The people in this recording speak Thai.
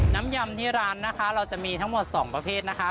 ยำที่ร้านนะคะเราจะมีทั้งหมด๒ประเภทนะคะ